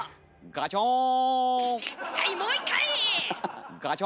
「ガチョン」。